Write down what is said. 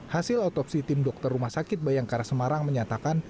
hasil otopsi tim dokter rumah sakit bayangkara semarang menyatakan